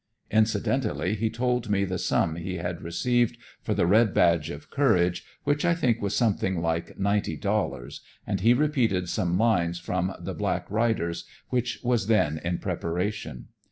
Incidentally he told me the sum he had received for "The Red Badge of Courage," which I think was something like ninety dollars, and he repeated some lines from "The Black Riders," which was then in preparation.